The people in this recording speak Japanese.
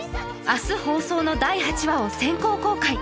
明日放送の第８話を先行公開！